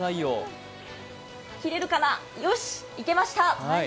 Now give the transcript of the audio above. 切れるかな、よしいけました。